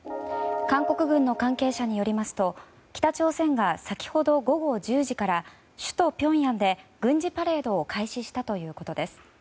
韓国軍の関係者によりますと北朝鮮が先ほど午後１０時から首都ピョンヤンで軍事パレードを開始したということです。